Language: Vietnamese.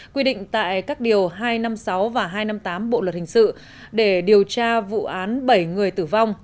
quy định tại các điều hai trăm năm mươi sáu và hai trăm năm mươi tám bộ luật hình sự để điều tra vụ án bảy người tử vong